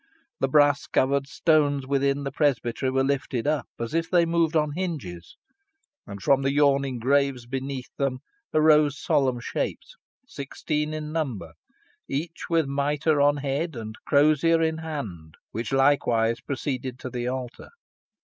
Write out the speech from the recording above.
The brass covered stones within the presbytery were lifted up, as if they moved on hinges, and from the yawning graves beneath them arose solemn shapes, sixteen in number, each with mitre on head and crosier in hand, which likewise proceeded to the altar.